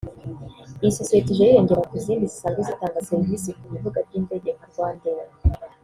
Iyi sosiyete ije yiyongera ku zindi zisanzwe zitanga serivisi ku bibuga by’indege nka RwandAir